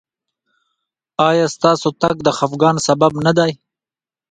ایا ستاسو تګ د خفګان سبب نه دی؟